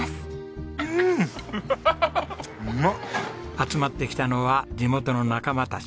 集まってきたのは地元の仲間たち。